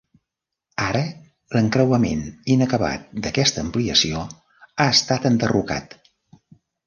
Ara l'encreuament inacabat d'aquesta ampliació ha estat enderrocat.